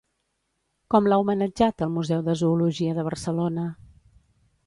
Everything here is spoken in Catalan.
Com l'ha homenatjat el Museu de Zoologia de Barcelona?